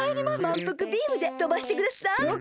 まんぷくビームでとばしてください。